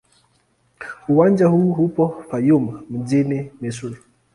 Uwanja huu upo Fayoum nchini Misri.